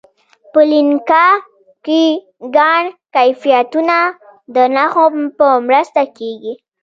په لیکنه کې ګڼ کیفیتونه د نښو په مرسته کیږي.